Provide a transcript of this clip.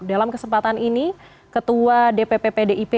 dalam kesempatan ini ketua dpp pdip